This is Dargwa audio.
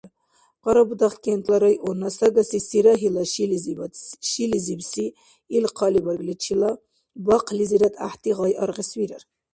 Къарабудагъкентла районна Сагаси Сирагьила шилизибси ил хъалибаргличила бахълизирад гӀяхӀти гъай аргъес вирар.